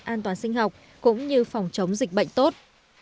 an toàn sinh học cũng như phòng chống dịch bệnh tốt